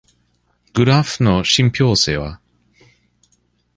グラフの信憑性は？